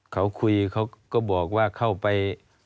เขาคุยเขาก็บอกว่าเข้าไป